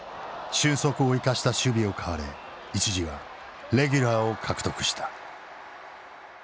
俊足を生かした守備を買われ一時はレギュラーを獲得した。